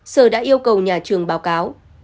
sở đã yêu cầu nhà trường báo cáo